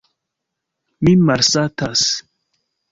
Mi malsatas.